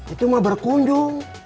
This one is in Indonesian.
itu mah berkundung